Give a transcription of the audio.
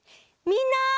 みんな！